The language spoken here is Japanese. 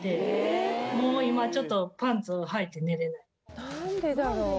へえ何でだろう？